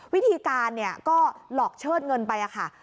วิธีการก็หลอกเชิดเงินไปค่ะ